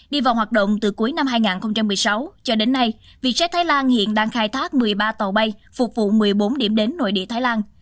đi vào hoạt động từ cuối năm hai nghìn một mươi sáu cho đến nay vietjet thái lan hiện đang khai thác một mươi ba tàu bay phục vụ một mươi bốn điểm đến nội địa thái lan